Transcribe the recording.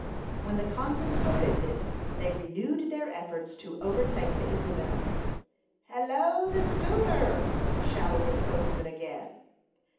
When the conference was ended, they renewed their efforts to overtake the Isabel. "Hallo, the schooner!" shouted the spokesman again.